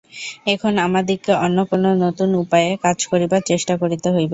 এখন আমাদিগকে অন্য কোন নূতন উপায়ে কাজ করিবার চেষ্টা করিতে হইবে।